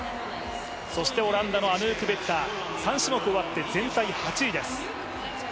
そしてオランダのアヌーク・ベッター、３種目終わって全体の８位です。